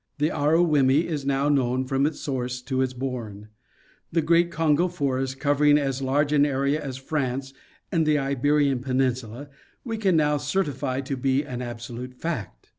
The Aruwimi is now known from its source to its bourne. The great Congo forest, covering as large an area as France and the Iberian peninsula, we can now cer tify to be an absolute fact.